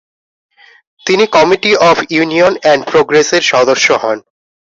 তিনি committee of union and প্রোগ্রেসের সদস্য হন।